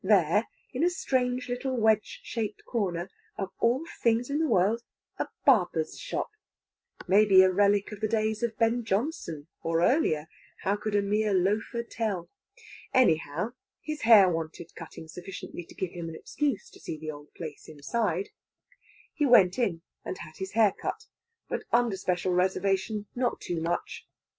there, in a strange little wedge shaped corner, of all things in the world, a barber's shop; maybe a relic of the days of Ben Jonson or earlier how could a mere loafer tell? Anyhow, his hair wanted cutting sufficiently to give him an excuse to see the old place inside. He went in and had his hair cut but under special reservation; not too much!